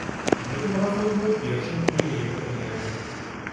Гэты марафон быў першым у яе кар'еры.